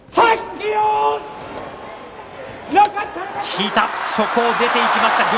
引いたそこを出ていきました。